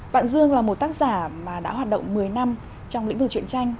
bạn dương là một tác giả mà đã hoạt động một mươi năm trong lĩnh vực chuyện tranh